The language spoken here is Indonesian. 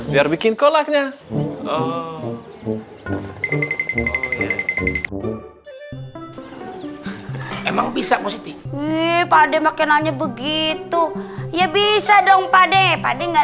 biar bikin kolaknya emang bisa pasti wih pakde makinanya begitu ya bisa dong pakde pakde nggak